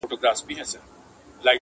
بیا مُلا سو بیا هغه د سیند څپې سوې!.